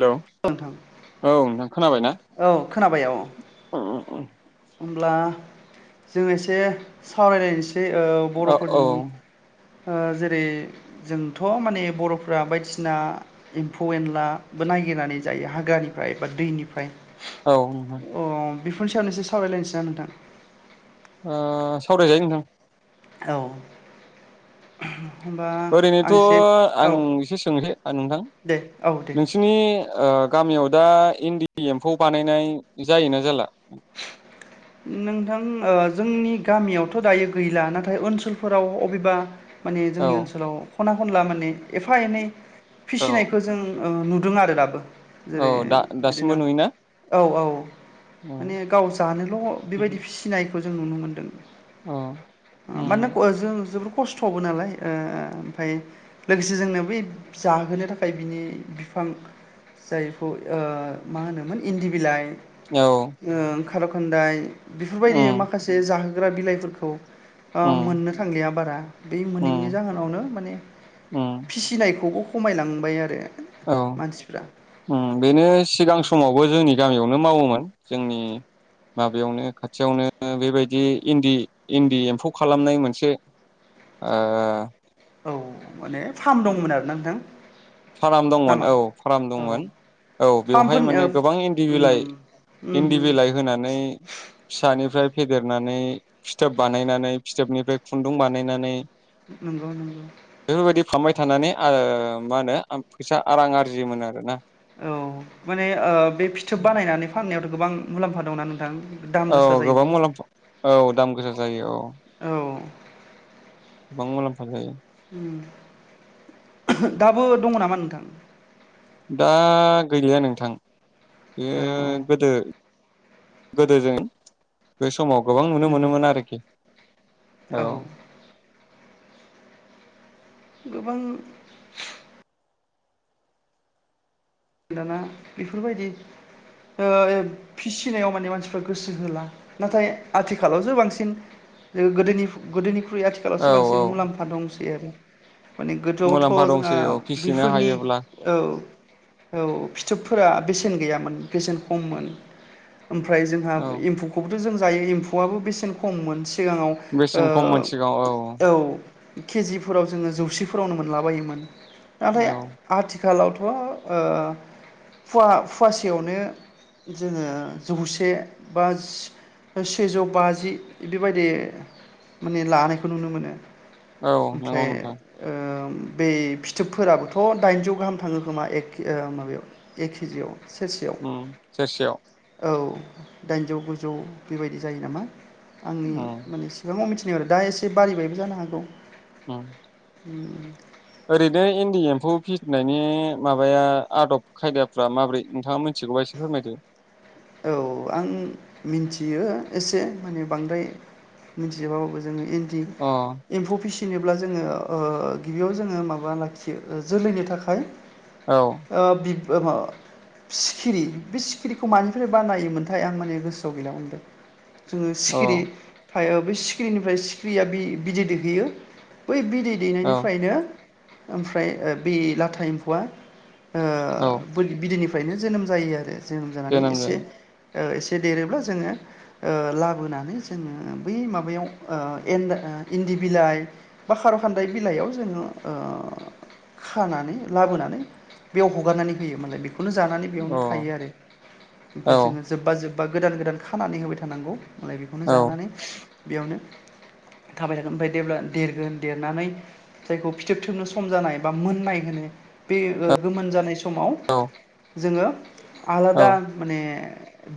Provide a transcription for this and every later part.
Hello औ नोंथां औ नोंथां खोनाबायना औ खोनाबाय औ [unintelligible] होमब्ला जों एसे सावरायलायनोसै ओ औ बर'फोरनि जेरै जोंथ' माने बर'फ बायदिसिना एम्फौ एनलाबो नागिरनानै जायो हाग्रानिफ्राय बा दैनिफ्राय अ औ बेफोरनि सायावानोसै सावरायलायनोसै ना नोंथां ओ सावरायजायो नोंथां औ [unintelligible] ओरैनोथ' आं एसे आं औ एसे सोंले नोंथां दे औ दे नोंसिनि ओ गामियाव दा इन्दि एम्फौ बानायनाय जायोना जाला? नोंथां ओ जोंनि गामियावथ' दायो गैला नाथाय ओनसोलफोराव अबेबा माने औ जोंनि ओनसोलाव खना खनला माने एफा एनै औ फिसिनायखौ जों ओ नुदों आरो दाबो। औ जेरै दा दासिमबो बिदिनो नुयोना औ औ औ माने गाव जानो खौ औ बेबायदि फिसिनाय खौ जों नुनो मोन्दों। औ मानोना ख जों खस्थ'बो नालाय ओ ओमफाय लोगोसे जोंनो बै जाहोनो थाखाय बिनि बिफां जायखौ ओ मा होनोमोन इन्दि बिलाइ औ होन्दाय बेफोरबायदि माखासे जाहो ग्रा बिलाइफोरखौ ओ उम मोननो थांलिया बारा, बै मोनिनि उम जाहोनावनो माने उम फिसिनायखौ खमायलांबाय आ औ उम बेनो सिगां समावबो जोंनि गामियावनो मावोमोन जोंनि माबायावनो खाथियावनो बेबायदि इन्दि इन्दि एम्फौ खालामनाय मोनसे ओ औ माने फार्म दंमोन आरोना नोंथां फाराम दंमोन नामा औ फाराम औ दंमोन औ बेवहाय फार्मफोरनि ओ माने गोबां इन्दि उम बिलाइ उम इन्दि उम बिलाइ होनानै फिसानिफ्राय फेदेरनानै फिथोब बानायनानै फिथोबनिफ्राय खुन्दुं बानायनानै नंगौ नंगौ। बाय थानानै आओ मा होनो फैसा आ रां आरजियोमोन आरो ना। औ माने ओ बे फिथोब बानायनानै फाननायावथ गोबां मुलाम्फा दंना नोंथां। दाम गोसा औ जायो गोबां बहुद मुलाम्फा औ दाम गोसा जायो औ गोबां मुलाम्फा जायो। उम दाबो दंङ नामा नोंथां? दा गैलिया नोंथां। इयो औ औ गोदो गोदो जों बेस समाव गोबां नुनो नंगौ मोनोमोन आरोखि औ गोबां दाना बेफोरबायदि ओ ए फिसिनायाव माने मानसिफ्रा गोसो होला, नाथाय आथिखालावसो बांसिन गोदोनि गोदोनि ख्रुइ औ आथिखालावसो औ बांसिन मुलाम्फा दं थिगानो माने गोदोआवथ मुलाम्फा जोङा दंसै औ फिसिनो बिफोरनि हायोब्ला औ औ फिथोबफोरा बेसेन गैयामोन बेसेन खममोन ओमफ्राय जोंहा औ एम्फौखौबोथ जों जायो एम्फौआबो बेसेन खम मोन सिगाङाव बेसेन खममोन ओ सिगाङाव औ औ केजिफोराव जोङो जौसेफोरावनो मोनलाबायोमोन नाथाय औ आथि खालावथ ओ फुवा फुवासेयावनो जोङो जौसे बा सेजौ बाजि बेबायदि माने लानायखौ नुनो मोनो औ नंगौ ओमफ्राय नोंथां ओ बै फिथोबफोराबोथ दाइनजौ गाहाम थाङो खोमा एक ओ माबायाव एककिजियाव उम सेरसेयाव औ दाइनजौ गुजौ बेबायदि जायो नामा? आंनि उम माने सिबाङाव मिथि यो आरो दा एसे बारिबायबो जानो हागौ उम उम ओरैनो इन्दि एम्फौ फिसिनायनि माबाया आदब खायदाफ्रा माब्रै नोंथाङा मिथिगौबा एसे फोरमायदो औ आं मिनथियो एसे माने बांद्राय मिथिजोबाबाबो जोङो इन्दि अ एम्फौ फिसि नोब्ला जोङो ओ गिबियाव जोङो माबा लाखियो ओ जोलैनि थाखाय औ ओ बिब [unintelligible] सिखिरि बि सिखिरिखौ मानो बानायोमोनथाय आं माने गोसोआव गैला [unintelligible] जोङो औ सिखिरि फाय ओ बै सिख्रिनिफ्राय सिख्रिया बि-बिदै दैहोयो बै बिदै औ दैनायनिफ्रायनो ओमफ्राय ओ बे लाथा एम्फौआ ओ औ बोद बिदैनि फ्रायनो जोनोम जायो आरो जोनोम जानानै एसे [inaudible] ओ एसे देरोब्ला जोङो ओ लाबोनानै जोङो उम बै माबायाव ओ एान्दा ओ इन्दि बिलाइ बा खार' खान्दाय बिलाइयाव जोङो ओ खानानै लाबोनानै बेयाव हगारनानै होयो मोनालाय बेखौ बेखौनो जानानै बेयावनो थायो अ आरो। औ ओफ्राय जोङो जोबबा जोब जोबबा गोदान गोदान खानानै होबाय थानांगौ। मालाय बेखौनो औ जानानै। बेयावनो थाबाय थागोन ओमफ्राय देब्ला देरगोन देरनानै जायखौ फिथोब थोबनो सम जानाय बा मोननाय होनो बे ओ-गोमोन जानाय स समाव जोङो। औ आलादा। माने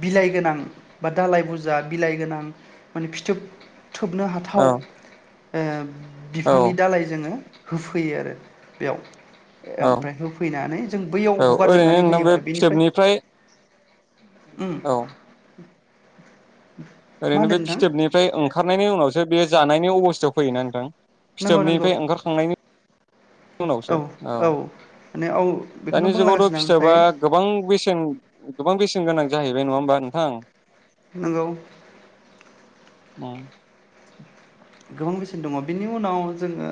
बिलाइ गोनां बा दालाइ बुजा बिलाइ गोनां माने फिथोब। थोबनो औ हाथाव। ओ- औ बिफांनि दालाय जोङो। होफैयो आरो बेयाव। ओमफ्राय होफैनानै जों बैयाव औ ओरैनो हगारजोबनानै नोंथां होयो बे ओमफ्राय बेनिफ्राय। फिथोबनिफ्राय उम औ [inaudible] मा ओरैनो बे होनदों नोंथां फिथोबनिफ्राय ओंखारनायनि उनावसो बे जानायनि अबस्थायाव। फैयोना नोंथां? नंगौ नंगौ फिथोबनिफ्राय ओंखारखांनायनि उनावसो औ। माने औ बेखौनो दानि बुंलांगासिनो जुगावथ' आं ओमफ्राय फिथोबा गोबां बेसेन गोबां बेसेन। बे गोनां जाहैबाय नङा होमबा नोंथां? नंगौ। ओम। गोबां बेसिन दङ बिनि उनाव जोङो।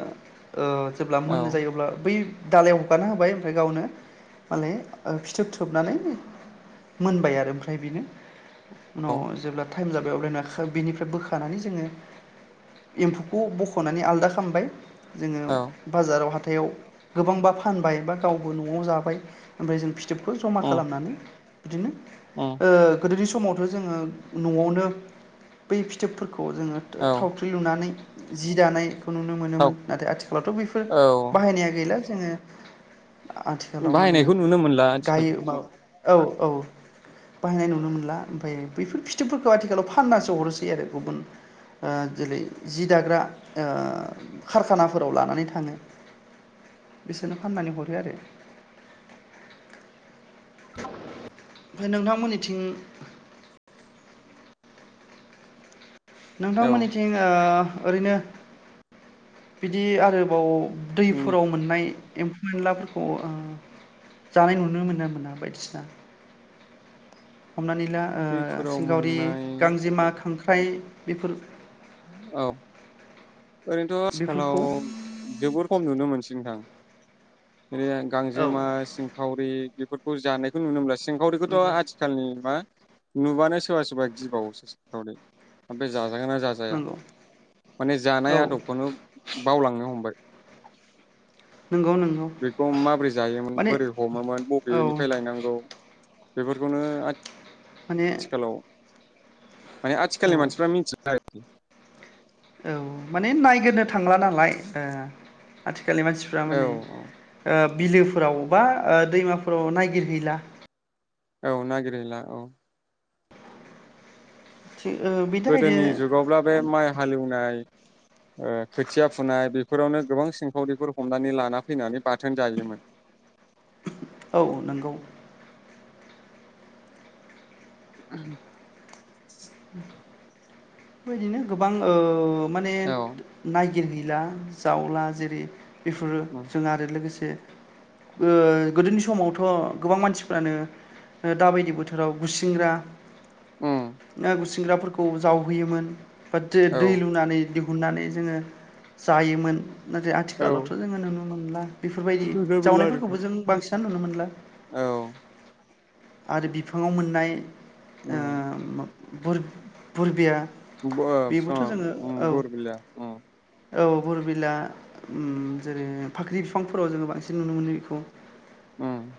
ओ-जेब्ला औ मोननो जायो अब्ला बै। दालाइयाव हगारना होबाय ओमफ्राय गावनो मालाय ओ- फिथोब थोबनानै मोनबाय आरो ओमफ्राय बेनो। औ उनाव जेब्ला। टाइम जाबाय अब्लानो बिनिफ्राय बोखानानै जोङो। एम्फौखौ बख'नानै आलदा खामबाय। जोङो औ बाजाराव हाथ हाथाइयाव गोबांबा फानबाय बा गावबो न'आव जाबाय ओमफ्राय जों फि फिथोबखौ जमा उम खालामनानै। बिदिनो उम ओ-गोदोनि स समावथ' जोङो न'आवनो बै फिथोबफोरखौ जोङो। औ थावख्रि लुनानै। जि दानाय। खौ नुनो थाव मोनोमोन नाथाय आथिखालावथ' बेफोर औ बाहायनाया गैला। [unintelligible] आथिखालाव माने बाहायनायखौ नुनो मोनला आथिखालाव गायो बा औ। औ बाहायनाय नुनो मोनला ओमफ्राय बेफोर फिथोबफोरखौ आथिखालाव फाननासो हरोसै आरो गुबुन। ओ जेरै जि दाग्रा ओ कारखानाफोराव लानानै थाङो बिसोरनो फाननानै हरो आरो ओमफाय नोंथांमोननिथिं औ नोंथांमोनिथिं ओ ओरैनो बिदि आरोबाव। जोंनि दैफोराव मोननाय। एम्फौ एनलाफोरखौ ओ जानाय नुनो मोनो मोना बायदिसिना। हमनानै ला ओ दैफोराव सिंखावरि मोननाय गांजेमा खांखो फ्राय बेफोर। औ। ओरैनोथ' बेफोरखौ आथिखालाव जोबद खम नुनो मोनसै नोंथां। [unintelligible] औ गांजेमा सिंखावरि बेफोर खौ जानायखौ नुनो [unintelligible] सिंखावरिखौथ' नंगौ आथिखालनि मा नुबानो सोरबा सोरबा गिबावोसो सिंखावरि बे जाजागोन ना जाया नंगौ माने औ जानाय आदबखौनो बावलांनो हमबाय। नंगौ नंगौ बेखौ माबोरै जायोमोन माने बोरै हमोमोन औ बबेनिफ्राय लायनांगौ। बेफोरखौनो माने आथिखालाव माने आथिखालनि औ मानसिफ्रा [unintelligible] [inaudible] औ माने नायगिरनो थांला नालाय ओ आथि खालनि मानसिफ्रा औ माने ओ बिलोफोराव बा ओ दैमाफोराव नायगिरहैला। औ नागिर हैला औ। थि ओ बेनि थाखायनो गोदोनि जुगावब्ला बे माइ हालेवनाय। ओ खोथिया फुनाय बेफोरावनो गोबां सिंखावरिफोर हमनानै लाना फैनानै। बाथोन जायोमोन। औ नंगौ उम। [inaudible] बेबायदिनो गोबां ओ माने औ नायगिर ला जावला जेरै बेफोरो उम जों आरो लोगोसे ओ गोदोनि समावथ' गोबां मानसिफ्रानो दाबायदि बोथोराव गुसिंग्रा उम। ना गुरसिंग्राफोरखौ जावहोयोमोन। बा दो औ दै लुनानै दिहुन हुननानै जोङो जायोमोन। नाथाय औ आथिखालावथ' जोङो नुनो नुनो मोनला। बेफोरबायदि नुनो मोनला आरो जावनायफोरखौबो जों बांसिन दा नुनो मोनला। नोंथां औ आरो बिफाङाव मोननाय उम ओ बुर-बुरबिया। [unintelligible] बरबिला उम। औ बरबिला उम जेरै फाख्रि बिफांफोराव जोङो बांसिन नुनो मोनो बेखौ। उम।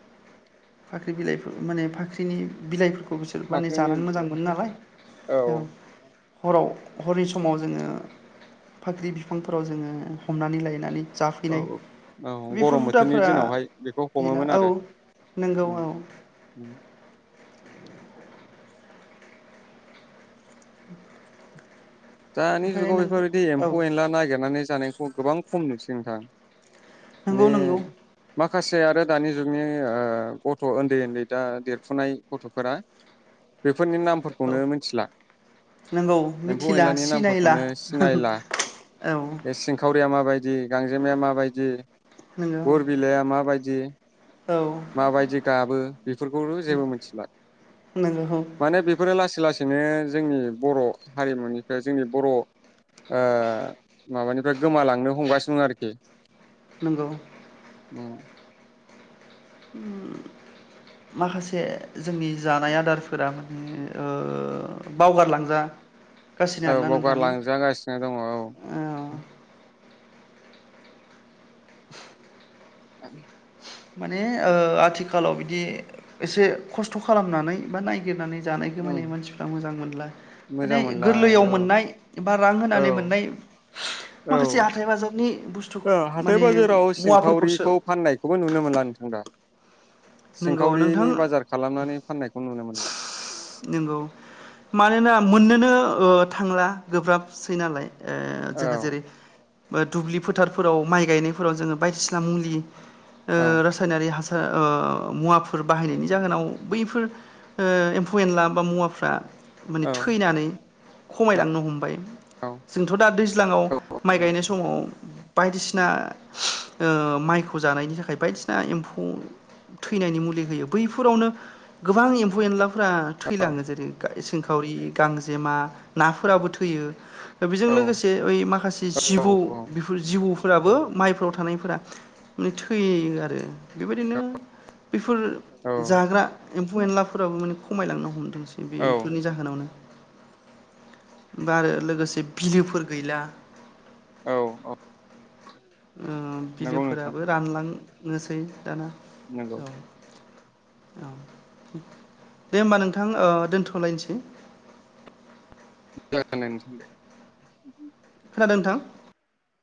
फाख्रि बिलाइफोर माने फाख्रिनि बिलाइफोर खौ बिसोर माने फाख्रिनि जानानै मोजां बिलाइ मोनो नालाय। औ। हराव हरनि समाव जोङो फाख्रि बिफांफोराव जोङो हमनानै लायनानै औ जाफैनाय औ औ बेफोर गरम बोथोरनि हुदाफोरा दिनावहाय बेखौ गैला हमोमोन औ आरो। नंगौ औ दानि ओमफ्राय जुगाव नों बेफोरबायदि औ एम्फौ एनला नागिरनानै जानायखौ गोबां खम नुसै नोंथां। नंगौ माने नंगौ मा माखासे आरो दानि जुगनि गथ' ओन्दै ओन्दै दा देरफुनाय गथ'फोरा बे फोरनि औ नामफोरखौनो मोनथिला। नंगौ एम्फौ फौ मिथिला एनलानि सिनायला नामफोरखौनो सिनायला औ बे सिंखावरिया माबायदि गांजेमाया माबायदि नंगौ बरबिलाया मा बायदि औ माबायदि गाबो बेफोरखौथ' जेबो मिथिला नंगौ औ माने बेफोरो लासै लासैनो जोंनि बर' हारिमुनिफ्राय जोंनि बर' ओ माबानिफ्राय गोमालांनो हमगासिनो आरोखि। नंगौ। उम। माखासे जोंनि जानाय आदारफोरा माने ओ बावगारलांजा औ बगारलांजागासिनो दङ औ। [inaudible] माने ओ आथिखालाव बिदि एसे खस्थ' खालामनानै बा नायगिरनानै जानाय उम गोमानाय मानसिफ्रा मोजां मोनला माने मोजां मोनला गोरलैयाव औ मोननाय बा रां औ होनानै मोननाय माखासे हाथाइ बाजारनि बुस्थु ओ हाथाय माने बाजाराव मुवाफोरखौसो सिंखावरिखौ फाननाय बेखौबो नुनो मोनला नोंथां दा। नंगौ नोंथां सिंखावरिनि बाजार खालामनानै फाननायखौ नुनो मोनला। नंगौ मानोना मोननोनो थांला गोब्राबसै नालाय। ओ औ जोङो जेरै बो दुब्लि फोथारफोराव माइ गायनायफोराव जोङो बायदिसिना मुलि ओ औ रासायनारि हास ओ मुवाफोर बाहायनायनि जाहोनाव बैफोर एफ फौ एनला बा मुवाफ्रा माने औ थैनानै। खमायलांनो हमबाय औ जोंथ' दा दैज्लाङाव माइ गायनाय समाव बायदिसिना ओ माइखौ जानायनि थाखाय बायदिसिना एम्फौ थैनायनि मुलि होयो बैफोरावनो गोबां एम्फौ एनला फ्रा थैलाङो जेरै ग सिंखावरि गांजेमा नाफोराबो थैयो। दा बेजों औ लोगोसे ओइ माखासे औ जिबौ बेफोर जिबौफोराबो माइफोराव थानायफोरा माने थैयो आरो बेबायदिनो बेफोर जाग्रा एम्फौ एनलाफोराबो माने खमायलांनो हमदोंसै औ बेफोरनि जाहोनावनो। बा आरो लोगोसे बिलोफोर गैला। औ औ ओ नंगौ नोंथां बिलोफोराबो रानलां नोसै दाना नंगौ औ। औ। दे होमबा नोंथां ओ दोनथ'लायनोसै। [unintelligible] खोनादों नोंथां।